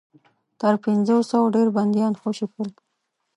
تر پنځوسو ډېر بنديان خوشي شول.